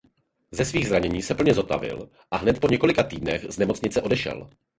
Ze svých zranění se plně zotavil a hned po několika týdnech z nemocnice odešel.